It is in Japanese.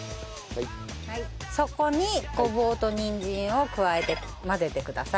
そこにごぼうとにんじんを加えて混ぜてください。